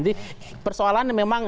jadi persoalan memang